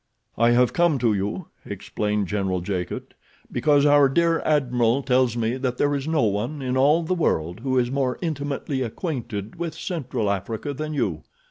"I have come to you," explained General Jacot, "because our dear Admiral tells me that there is no one in all the world who is more intimately acquainted with Central Africa than you.